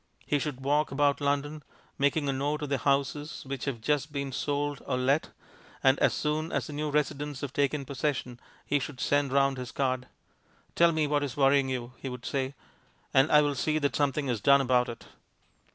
He should walk about London, making a note of the houses which have just been sold or let, and as soon as the new residents have taken possession, he should send round his card. "Tell me what is worrying you," he would say, "and I will see that something is done about it."